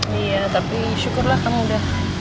iya tapi syukurlah kamu udah